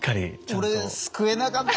俺救えなかった。